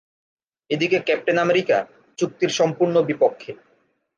এদিকে Captain America চুক্তির সম্পূর্ণ বিপক্ষে।